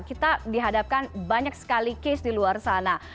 kita dihadapkan banyak sekali case di luar sana